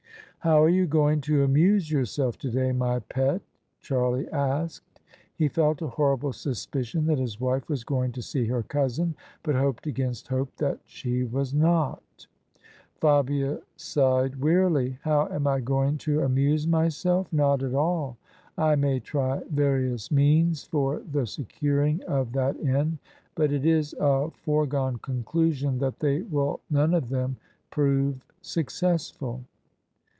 " How are you going to amuse yourself today, my pet? " Charlie asked. He felt a horrible suspicion that his wife was going to see her cousin, but hoped against hope that she was not. Fabia sighed wearily. " How am I going to amuse myself? Not at all. I may try various means for the secur ing of that end, but it is a foregone conclusion that they will none of them prove successful."